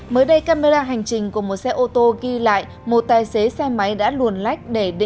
mới đây camera hành trình của một xe ô tô ghi lại một tài xế xe máy đã luồn lách để định